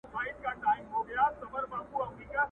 څه به وايي دا مخلوق او عالمونه؟٫